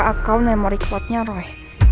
akaun memory cloudnya roy